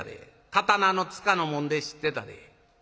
刀のつかの紋で知ってたで。